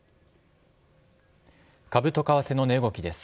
株と為替の値動きです。